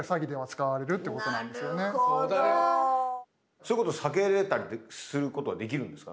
そういうこと避けれたりすることはできるんですか？